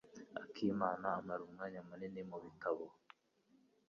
Akimana amara umwanya munini mubitabo.